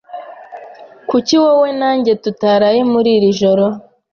Kuki wowe na njye tutaraye muri iri joro?